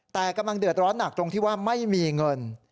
แต่กำลังเดือดร้อนหนักตรงที่ว่าไม่มีเงิน